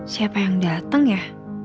siapa yang dateng ya